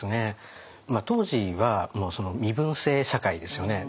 当時は身分制社会ですよね。